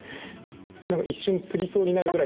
何か一瞬つりそうになるぐらい。